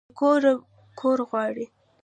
بې کوره کور غواړي